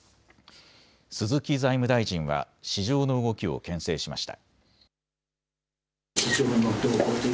鈴木財務大臣は市場の動きをけん制しました。